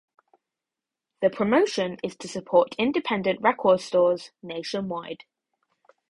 The promotion is to support independent record stores nationwide.